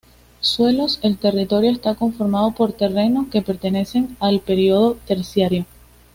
Suelos: El territorio está conformado por terrenos que pertenecen al periodo terciario.